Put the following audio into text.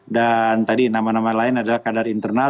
dan tadi nama nama lain adalah kadar internal